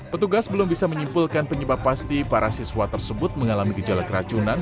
petugas belum bisa menyimpulkan penyebab pasti para siswa tersebut mengalami gejala keracunan